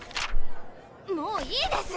もういいです！